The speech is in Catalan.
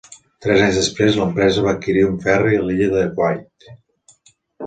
Tres anys després, l'empresa va adquirir un ferri a l'illa de Wight.